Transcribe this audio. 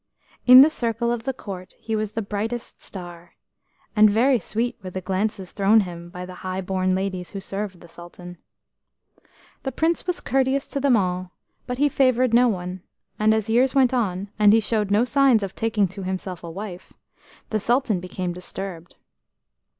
In the circle of the court he was the brightest star, and very sweet were the glances thrown him by the high born ladies who served the Sultan. The Prince was courteous to them all, but he favoured no one, and as years went on, and he showed no signs of taking to himself a wife, the Sultan became disturbed.